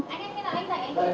anh ấy là anh này